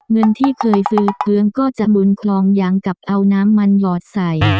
เงินที่เคยซื้อเครื่องก็จะบุญคลองยังกับเอาน้ำมันหยอดใส่